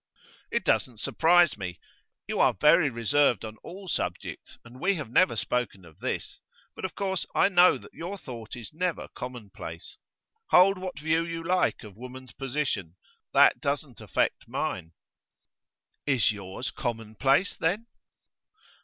'It doesn't surprise me. You are very reserved on all subjects, and we have never spoken of this, but of course I know that your thought is never commonplace. Hold what view you like of woman's position, that doesn't affect mine.' 'Is yours commonplace, then?